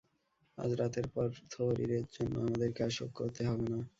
আজরাতের পর, থরিরের জন্য আমাদেরকে আর শোক করতে হবে না।